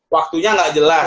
waktunya nggak jelas